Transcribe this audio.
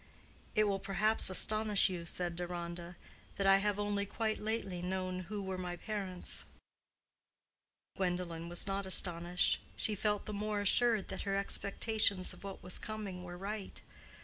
"It will perhaps astonish you," said Deronda, "that I have only quite lately known who were my parents." Gwendolen was not astonished: she felt the more assured that her expectations of what was coming were right.